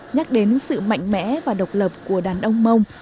nhắc đến sự mạnh mẽ và độc lập của đàn ông mông